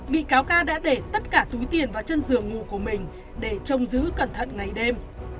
bị cáo ca đã để tất cả túi tiền vào chân giường ngủ của mình để trông giữ cẩn thận ngày đêm